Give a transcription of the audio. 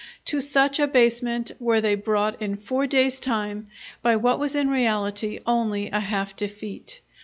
To such abasement were they brought in four days' time by what was in reality only a half defeat.